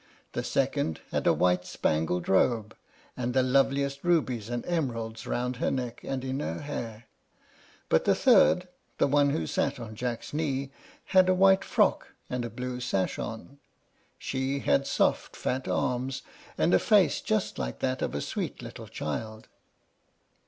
The second had a white spangled robe, and the loveliest rubies and emeralds round her neck and in her hair; but the third, the one who sat on Jack's knee, had a white frock and a blue sash on. She had soft, fat arms, and a face just like that of a sweet little child.